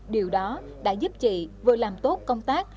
điều đó đã giúp chị vừa làm tốt công tác